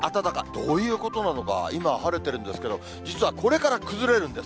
どういうことなのか、今、晴れてるんですけど、実はこれから崩れるんです。